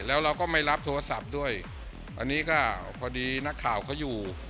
แล้วเราก็ไม่รับโทรศัพท์ด้วยอันนี้ก็พอดีนักข่าวเขาอยู่